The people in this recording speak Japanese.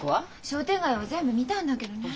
商店街は全部見たんだけどね。